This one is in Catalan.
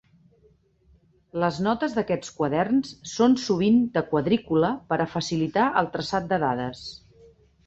Les notes d'aquests quaderns són sovint de quadrícula per a facilitar el traçat de dades.